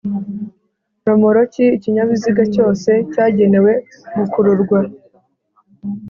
RomorokiIkinyabiziga cyose cyagenewe gukururwa